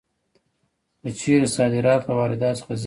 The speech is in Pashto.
که چېرې صادرات له وارداتو څخه زیات شي